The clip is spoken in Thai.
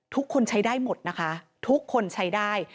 ทุกคนใช้ได้หมดนะคะทุกคนใช้ได้